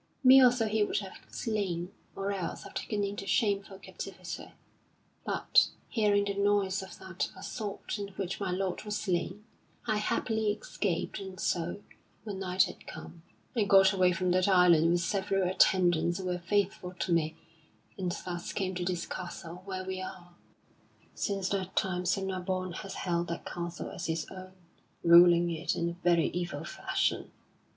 Me also he would have slain, or else have taken into shameful captivity, but, hearing the noise of that assault in which my lord was slain, I happily escaped, and so, when night had come, I got away from that island with several attendants who were faithful to me, and thus came to this castle where we are. Since that time Sir Nabon has held that castle as his own, ruling it in a very evil fashion.